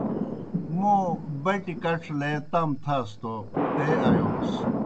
موں بَٹیْ کڇ لے تام تھاس توْ تے آیوس۔